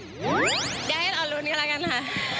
เดี๋ยวให้เราออนรูปหนึ่งกันละกันค่ะ